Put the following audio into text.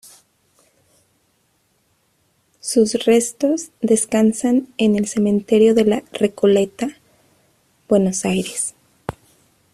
Sus restos descansan en el Cementerio de la Recoleta Buenos Aires